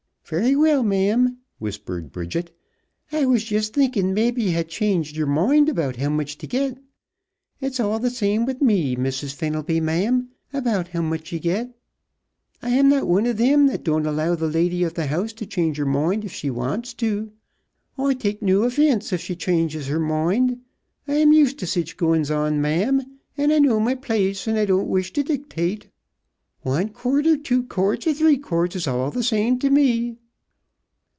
"Very well, ma'am," whispered Bridget. "I was just thinkin' mebby ye had changed yer moind about how much t' git. It is all th' same t' me, Missus Fenelby, ma'am, how much ye git. I am not wan of thim that don't allow th' lady ov th' house t' change her moind if she wants to. I take no offince if she changes her moind. I am used t' sich goin's on, ma'am, an' I know my place an' don't wish t' dictate. Wan quart or two quarts or three quarts is all th' same t' me."